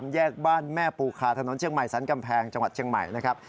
แยกบ้านแม่ปูคาถนนเชียงใหม่สันกำแพงจังหวัดเชียงใหม่นะครับ